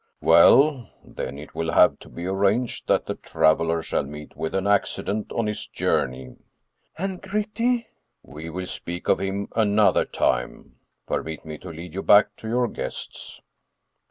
" Well, then, it will have to be arranged that the traveler shall meet with an accident on his journey." "And Gritti?" " We will speak of him another time. Permit me to lead you back to your guests."